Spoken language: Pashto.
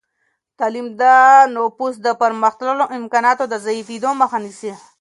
تعلیم د نفوس د پرمختللو امکاناتو د ضعیفېدو مخه نیسي.